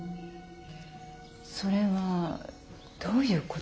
それはどういうことですか？